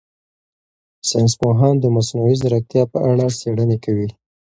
ساینس پوهان د مصنوعي ځیرکتیا په اړه څېړنې کوي.